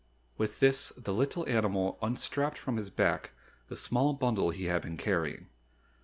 With this the little animal unstrapped from his back the small bundle he had been carrying.